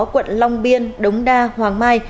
quận long biên đống đa hoàng mai